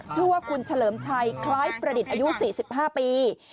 ชื่อว่าคุณเฉลิมชัยคล้ายประดิษฐ์อายุ๔๕ปี